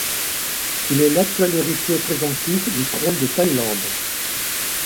Il est l'actuel héritier présomptif du trône de Thaïlande.